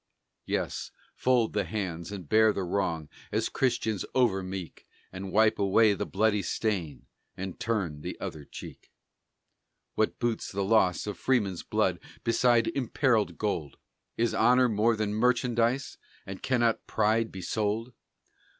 Yes, fold the hands, and bear the wrong As Christians over meek, And wipe away the bloody stain, And turn the other cheek. What boots the loss of freemen's blood Beside imperilled gold? Is honor more than merchandise? And cannot pride be sold?